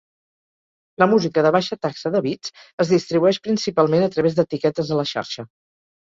La música de baixa taxa de bits es distribueix principalment a través d'etiquetes a la xarxa.